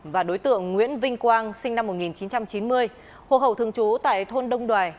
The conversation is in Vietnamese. và đối tượng nguyễn vinh quang sinh năm một nghìn chín trăm chín mươi hồ hậu thường trú tại thôn đông đoài